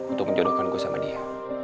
untuk menjodohkan gue sama dia